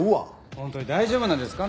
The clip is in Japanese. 本当に大丈夫なんですか？